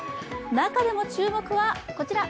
中でも注目はこちら。